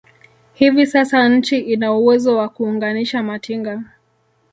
Hivi sasa nchi ina uwezo wa kuunganisha matinga